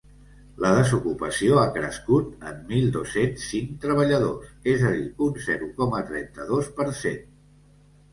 La desocupació ha crescut en mil dos-cents cinc treballadors, és a dir un zero coma trenta-dos per cent.